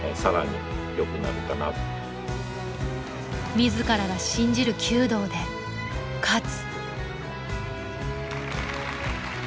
自らが信じる弓道で勝つ。